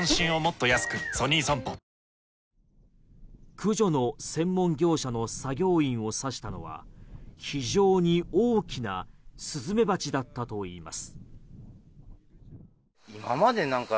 駆除の専門業者の作業員を刺したのは非常に大きなスズメバチだったといいます。